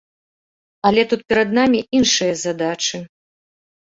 Але тут перад намі іншыя задачы.